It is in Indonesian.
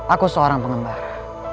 aku seorang pengembara